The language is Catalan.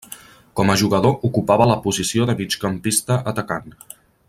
Com a jugador ocupava la posició de migcampista atacant.